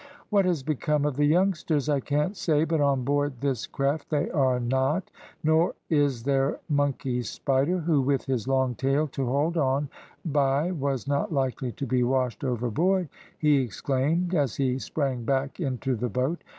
"What has become of the youngsters I can't say, but on board this craft they are not; nor is their monkey Spider, who with his long tail to hold on by was not likely to be washed overboard," he exclaimed, as he sprang back into the boat.